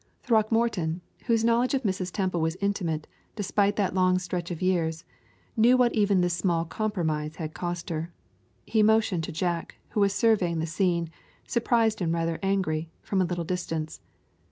Throckmorton, whose knowledge of Mrs. Temple was intimate, despite that long stretch of years, knew what even this small compromise had cost her. He motioned to Jack, who was surveying the scene, surprised and rather angry, from a little distance.